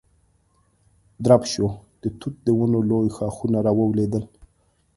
درب شو، د توت د ونو لوی ښاخونه را ولوېدل.